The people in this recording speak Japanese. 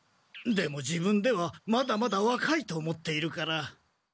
でも自分ではまだまだわかいと思っているから。